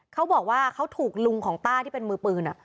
เขาบอกว่าเขาถูกลุงของต้าที่เป็นมือปืน